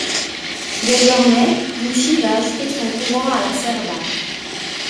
Désormais, Douchy va acheter son courant à la Serva.